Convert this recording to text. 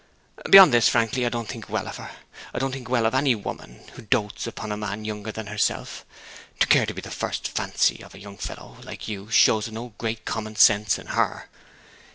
Beyond this, frankly, I don't think well of her. I don't think well of any woman who dotes upon a man younger than herself. To care to be the first fancy of a young fellow like you shows no great common sense in her.